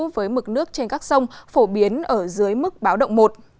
với mực nước trên các sông phổ biến ở dưới mức báo động một